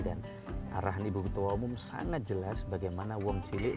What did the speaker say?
dan arahan ibu ketua umum sangat jelas bagaimana uang cilik